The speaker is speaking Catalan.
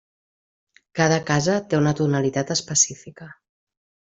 Cada casa té una tonalitat específica.